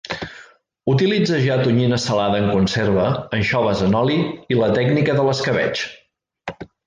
Utilitza ja tonyina salada en conserva, anxoves en oli i la tècnica de l'escabetx.